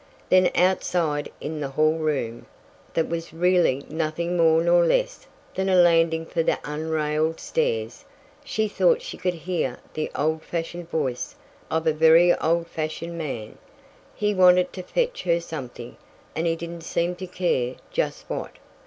Then, outside in the hall room, that was really nothing more nor less than a landing for the unrailed stairs, she thought she could hear the old fashioned voice of a very old fashioned man he wanted to fetch her something, and he didn't seem to care just what.